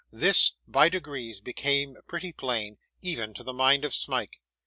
This, by degrees, became pretty plain, even to the mind of Smike.